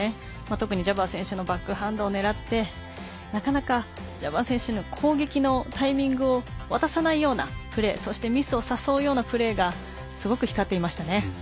特にジャバー選手のバックハンドを狙ってなかなかジャバー選手の攻撃のタイミングを渡さないようなプレーそしてミスをさそうようなプレーがすごく光っていましたね。